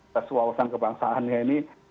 sesuawasan kebangsaannya ini